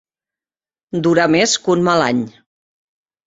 Durar més que un mal any.